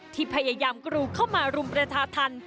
ที่พยายามกระดูกเข้ามารุมประทาน